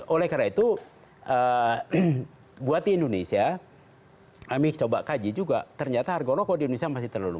oleh karena itu buat di indonesia kami coba kaji juga ternyata harga rokok di indonesia masih terlalu